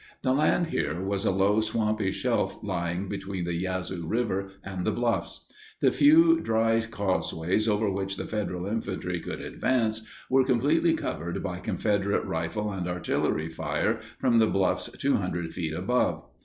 The land here was a low, swampy shelf lying between the Yazoo River and the bluffs. The few dry causeways over which the Federal infantry could advance were completely covered by Confederate rifle and artillery fire from the bluffs 200 feet above.